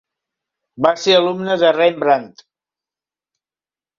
Va ser alumne de Rembrandt.